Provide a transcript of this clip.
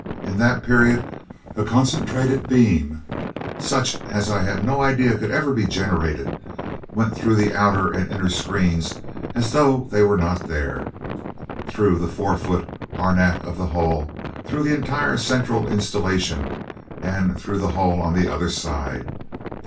In that period a concentrated beam, such as I had no idea could ever be generated, went through the outer and inner screens as though they were not there, through the four foot arenak of the hull, through the entire central installation, and through the hull on the other side.